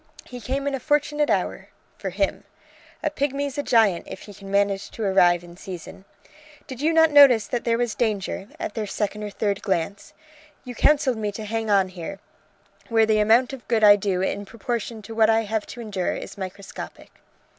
He came in a fortunate hour ... for him. A pigmy's a giant if he can manage to arrive in season. Did you not notice that there was danger, at their second or third glance? You counselled me to hang on here, where the amount of good I do in proportion to what I have to endure is microscopic."